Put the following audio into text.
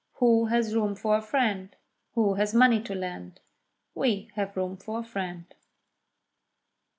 Who has room for a friend Who has money to lend? We have room for a friend!